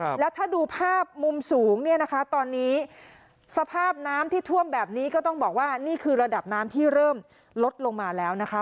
แล้วถ้าดูภาพมุมสูงเนี่ยนะคะตอนนี้สภาพน้ำที่ท่วมแบบนี้ก็ต้องบอกว่านี่คือระดับน้ำที่เริ่มลดลงมาแล้วนะคะ